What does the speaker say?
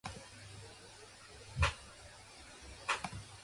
Nakamichi also sold its own brand of blank cassette tapes.